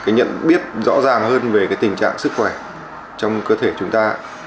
cái nhận biết rõ ràng hơn về tình trạng sức khỏe trong cơ thể chúng ta